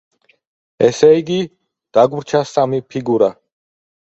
ესე იგი, დაგვრჩა სამი ფიგურა.